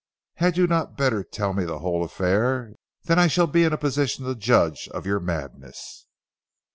"Had you not better tell me the whole affair? Then I shall be in a position to judge of your madness."